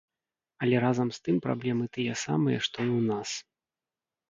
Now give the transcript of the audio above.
Але разам з тым праблемы тыя самыя, што і ў нас.